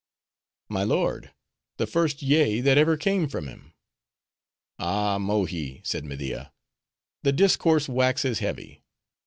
"My lord, the first yea that ever came from him." "Ah, Mohi," said Media, "the discourse waxes heavy.